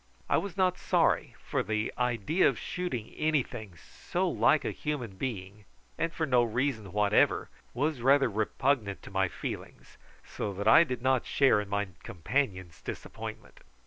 I was not sorry, for the idea of shooting anything so like a human being, and for no reason whatever, was rather repugnant to my feelings, so that I did not share in my companion's disappointment.